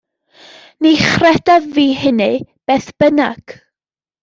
Ni chredaf fi hynny, beth bynnag.